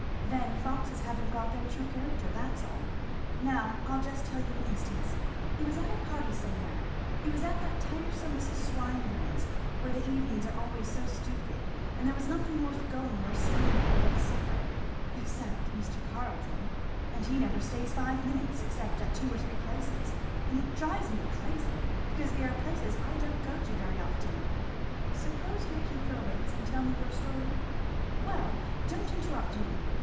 "Then foxes haven't got their true character, that's all. Now I'll just tell you an instance it was at a party somewhere it was at that tiresome Mrs. Swinburne's, where the evenings are always so stupid, and there was nothing worth going or staying for but the supper, except Mr. Carleton! and he never stays five minutes, except at two or three places; and it drives me crazy, because they are places I don't go to very often " "Suppose you keep your wits and tell me your story?" "Well don't interrupt me!